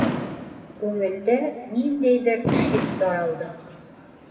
Күңелдә ниндәйҙер шик яралды.